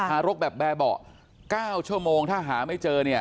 หารกแบบแบบเบ่าเบาะ๙ชั่วโมงถ้าหาไม่เจอ